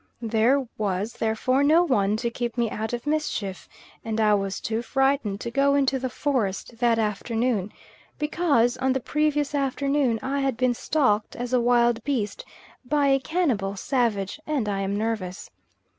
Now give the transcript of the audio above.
There was therefore no one to keep me out of mischief, and I was too frightened to go into the forest that afternoon, because on the previous afternoon I had been stalked as a wild beast by a cannibal savage, and I am nervous.